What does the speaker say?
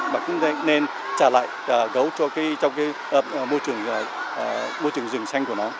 mà cũng nên trả lại gấu trong môi trường rừng xanh của nó